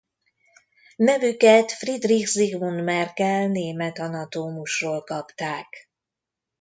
Nevüket Friedrich Sigmund Merkel német anatómusról kapták.